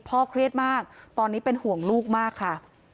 เครียดมากตอนนี้เป็นห่วงลูกมากค่ะ